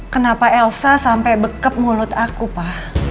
kenapa elsa sampai bekap mulut aku pa